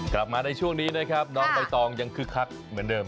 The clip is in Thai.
กลับมาในช่วงนี้นะครับน้องใบตองยังคึกคักเหมือนเดิม